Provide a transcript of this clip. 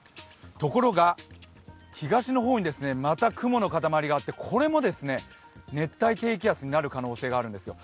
ところが、東の方にまた雲の塊があって、これも熱帯低気圧になる可能性があるんですよ。